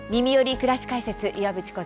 くらし解説」岩渕梢です。